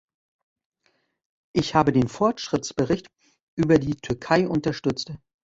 Ich habe den Fortschrittsbericht über die Türkei unterstützt.